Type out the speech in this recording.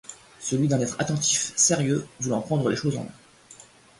Celui d’un être attentif, sérieux, voulant prendre les choses en main.